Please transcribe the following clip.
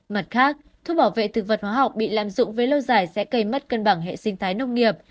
mặt khác thuốc bảo vệ thực vật hóa học bị lạm dụng với lâu dài sẽ gây mất cân bằng hệ sinh thái nông nghiệp